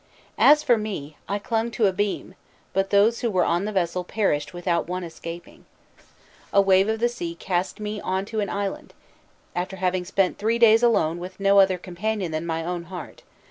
As for me, I clung to a beam, but those who were on the vessel perished without one escaping. A wave of the sea cast me on to an island, after having spent three days alone with no other companion than my own heart.